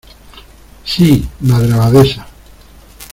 sí, Madre Abadesa.